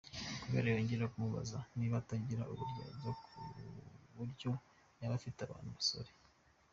Kabera yongera kumubaza niba atagira uburyarya ku buryo yaba afite abandi basore.